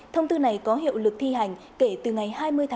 thông tư này có hiệu lực thi hành kể từ ngày hai mươi hai hai nghìn hai mươi ba